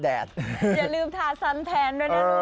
อย่าลืมทาสันแทนด้วยนะโอ๊ย